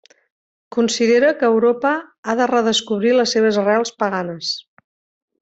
Considera que Europa ha de redescobrir les seves arrels paganes.